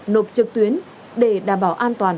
nộp trực tuyến để đảm bảo an toàn